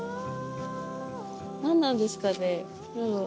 何なんですかね？